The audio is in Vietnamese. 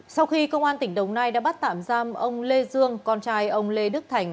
sau khi công an tỉnh đồng nai đã bắt tạm giam ông lê dương con trai ông lê đức thành